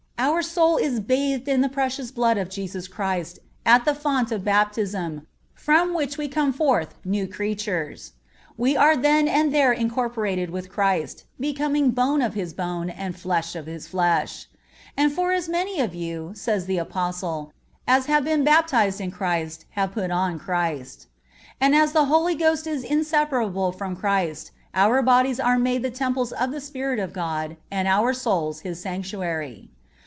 Our soul is bathed in the Precious Blood of Jesus Christ at the font of Baptism, from which we come forth "new creatures." We are then and there incorporated with Christ, becoming "bone of His bone and flesh of His flesh;" "for as many of you," says the Apostle, "as have been baptized in Christ have put on Christ."(40) And as the Holy Ghost is inseparable from Christ, our bodies are made the temples of the Spirit of God and our souls His Sanctuary.